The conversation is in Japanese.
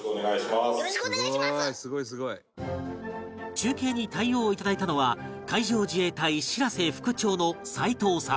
中継に対応いただいたのは海上自衛隊しらせ副長の齋藤さん